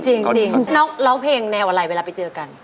จริงร้องเพลงแนวอะไรเวลาไปเจอกัน